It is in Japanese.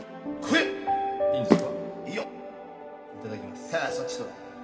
いただきます。